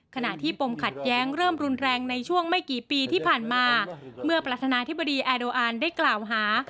ขณะที่ปมขัดแย้งเริ่มรุนแรงในช่วงไม่กี่ปีที่ผ่านมาเมื่อประธานาธิบดีแอร์โดอันได้กล่าวหา